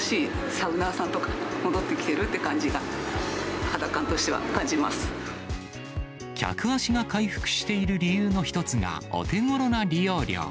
新しいサウナーさんとか戻ってきているって感じが、客足が回復している理由の一つが、お手ごろな利用料。